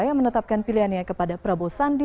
yang menetapkan pilihannya kepada prabowo sandi